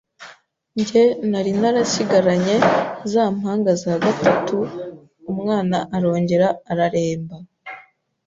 njye nari narasigaranye za mpanga za gatatu, umwana arongera araremba,